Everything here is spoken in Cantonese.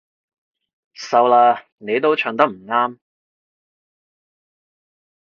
收啦，你都唱唔啱